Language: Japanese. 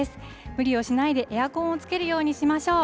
無理をしないでエアコンをつけるようにしましょう。